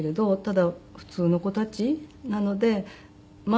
ただ普通の子たちなのでなんだろう？